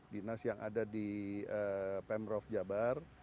dinas yang ada di pemprov jabar